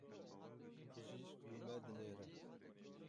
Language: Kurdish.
Bijîşk li me dinêre.